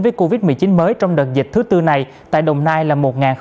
với covid một mươi chín mới trong đợt dịch thứ bốn này tại đồng nai là một sáu mươi